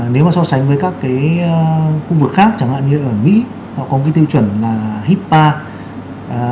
nếu so sánh với các khu vực khác chẳng hạn như ở mỹ họ có tiêu chuẩn hipaa